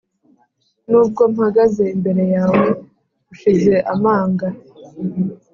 nubwo mpagaze imbere yawe ushize amanga,